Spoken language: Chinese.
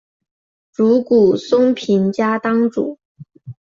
竹谷松平家当主。